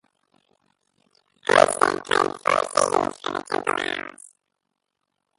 Armstead played four seasons for the Temple Owls.